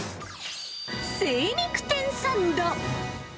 精肉店サンド。